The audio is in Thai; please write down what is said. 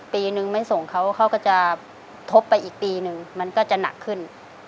ปีนึงไม่ส่งเขาเขาก็จะทบไปอีกปีนึงมันก็จะหนักขึ้น